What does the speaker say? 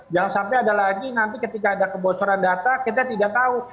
jangan sampai ada lagi nanti ketika ada kebocoran data kita tidak tahu